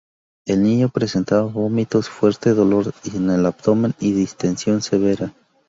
El niño presentaba vómitos, fuerte dolor en el abdomen y distensión severa.